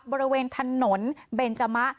บริเวณถนนเบนจมะ